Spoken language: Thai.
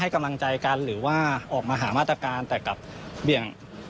กำลังใจกันหรือว่าออกมาหามาตรการแต่กลับเบี่ยง